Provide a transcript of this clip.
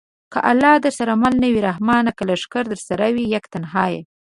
چې الله درسره مل نه وي رحمانه! که لښکرې درسره وي یک تنها یې